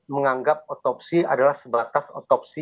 menganggap otopsi adalah sebatas otopsi